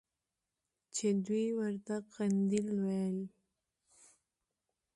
چې دوى ورته قنديل ويل.